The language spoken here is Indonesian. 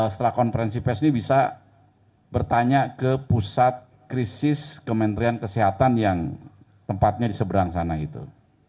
setelah konferensi pes ini bisa bertanya ke pusat krisis kementerian kesehatan yang tempatnya di seberang sana itu